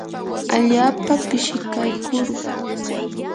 allaapa pishikaykurquu.